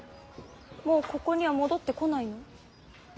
もうここには戻ってこないの？